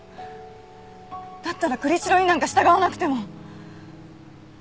だったら栗城になんか従わなくても。